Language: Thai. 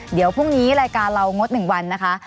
เดี๋ยวพรุ่งนี้รายการเรางด๑วันนะคะ